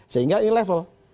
sehingga ini level